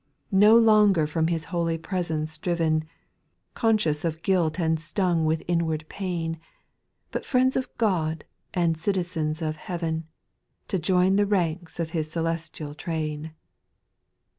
No longer from His holy presence driven, Conscious of guilt and stung with inward pain, But fi iends of God and citizens of heaven. To join the ranks of His Celestial train